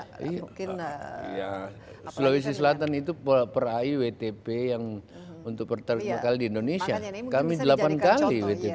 mungkin ya selawesi selatan itu berperaih wtp yang untuk berterima kasih di indonesia kami delapan kali